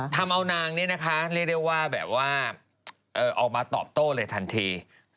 ทำเอานางนี่นะคะเรียกได้ว่าแบบว่าออกมาตอบโต้เลยทันที